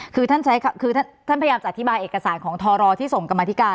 คือท่านพยายามจะอธิบายเอกสารของทรลที่ส่งกับมาธิการ